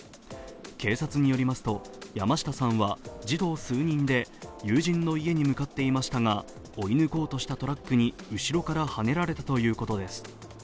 警察によりますと山下さんは児童数人で友人の家に向かっていましたが追い抜こうとしたトラックに後ろからはねられたということです。